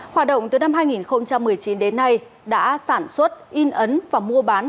hoạt động từ năm hai nghìn một mươi chín đến nay đã sản xuất in ấn và mua bán